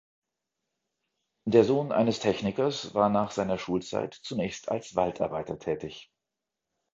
Der Sohn eines Technikers war nach seiner Schulzeit zunächst als Waldarbeiter tätig.